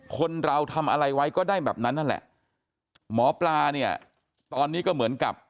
คนเราทำอะไรไว้ก็ได้แบบนั้นนั่นแหละหมอปลาเนี่ยตอนนี้ก็เหมือนกับ